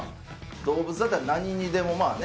動物だったら何にでもまあね